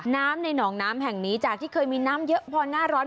น้ำในหนองน้ำแห่งนี้จากที่เคยมีน้ำเยอะพอหน้าร้อน